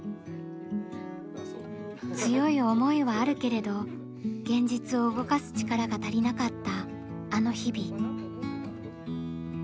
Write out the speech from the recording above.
強い思いはあるけれど現実を動かす力が足りなかったあの日々。